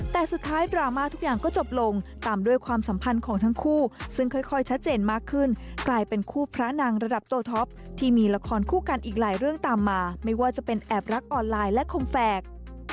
แต่สุดท้ายดราม่าทุกอย่างก็จบลงตามด้วยความสัมพันธ์ของทั้งคู่ซึ่งค่อยชัดเจนมากขึ้นกลายเป็นคู่พระนางระดับโตท็อปที่มีละครคู่กันอีกหลายเรื่องตามมาไม่ว่าจะเป็นแอบรักออนไลน์และคมแฝก